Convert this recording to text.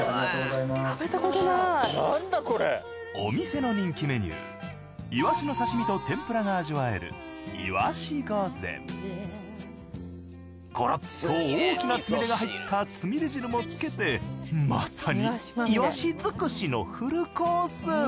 お店の人気メニューいわしの刺身と天ぷらが味わえるゴロッと大きなつみれが入ったつみれ汁も付けてまさにいわし尽くしのフルコース。